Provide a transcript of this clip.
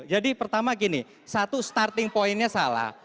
jadi pertama gini satu starting pointnya salah